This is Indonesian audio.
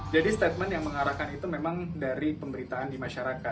jadi statement yang mengarahkan itu memang dari pemberitaan di masyarakat